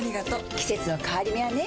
季節の変わり目はねうん。